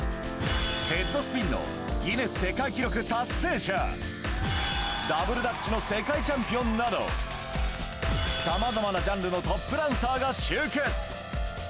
ヘッドスピンのギネス世界記録達成者、ダブルダッチの世界チャンピオンなど、さまざまなジャンルのトップダンサーが集結。